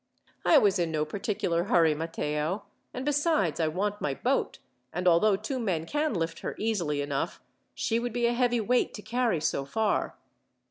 "I was in no particular hurry, Matteo; and besides, I want my boat; and although two men can lift her easily enough, she would be a heavy weight to carry so far."